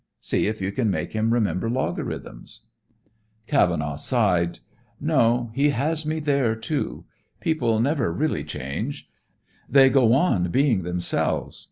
See if you can make him remember logarithms." Cavenaugh sighed. "No, he has me there, too. People never really change; they go on being themselves.